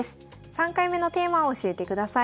３回目のテーマを教えてください。